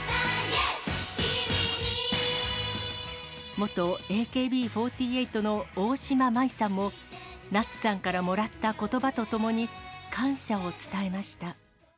元ＡＫＢ４８の大島麻衣さんも、夏さんからもらったことばとともに、感謝を伝えました。